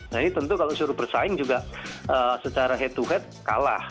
nah ini tentu kalau suruh bersaing juga secara head to head kalah